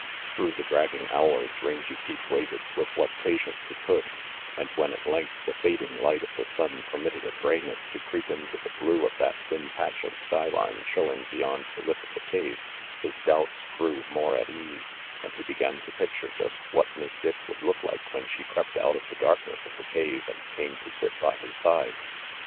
Through the dragging hours, Rangy Pete waited with what patience he could, and when at length the fading light of the sun permitted a grayness to 404 RANGY PETE creep into the blue of that thin patch of skyline showing beyond the lip of the cave, his doubts grew more at ease, and he began to picture just what Miss Dick would look like when she crept out of the darkness of the cave and came to sit by his side.